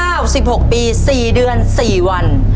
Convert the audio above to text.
ตัวเลือกที่สี่อายุ๙๖ปี๔เดือน๘วัน